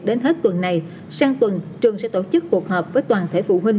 đến hết tuần này sang tuần trường sẽ tổ chức cuộc họp với toàn thể phụ huynh